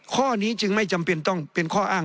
ข้อนี้จึงไม่จำเป็นต้องเป็นข้ออ้าง